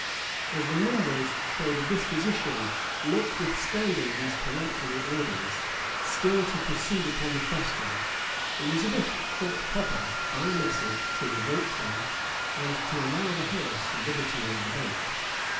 As the members showed a disposition, notwithstanding these peremptory orders, still to proceed upon the question, Elizabeth thought proper, by a message, to revoke them, and to allow the house liberty of debate.